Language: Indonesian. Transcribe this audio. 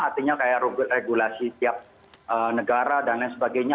artinya kayak regulasi tiap negara dan lain sebagainya